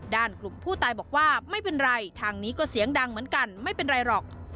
ด้านกลุ่มผู้ตายบอกว่าไม่เป็นไรทางนี้ก็เสียงดังเหมือนกันไม่เป็นไรหรอก